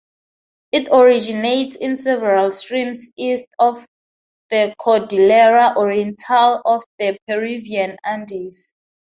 It originates in several streams east of the Cordillera Oriental of the Peruvian Andes.